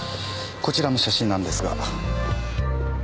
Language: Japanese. こちらの写真なんですが。